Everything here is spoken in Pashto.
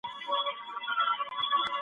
علم د خبرو د لارې نورو ته لېږدول سوی وو.